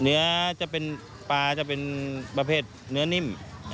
เนื้อจะเป็นปลาจะเป็นประเภทเนื้อนิ่ม